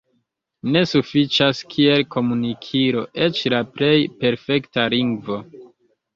Ne sufiĉas kiel komunikilo eĉ la plej perfekta lingvo.